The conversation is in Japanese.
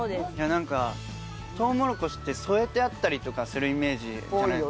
なんかとうもろこしって添えてあったりとかするイメージじゃないですか。